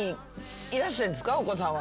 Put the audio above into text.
お子さんは。